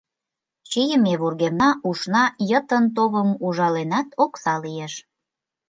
Чийыме вургемна ушна, йытын товым ужаленат, окса лиеш.